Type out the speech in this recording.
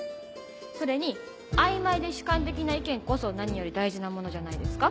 それに曖昧で主観的な意見こそ何より大事なものじゃないですか？